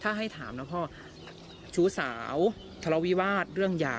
ถ้าให้ถามนะพ่อชู้สาวทะเลาวิวาสเรื่องยา